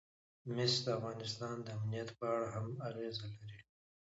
مس د افغانستان د امنیت په اړه هم اغېز لري.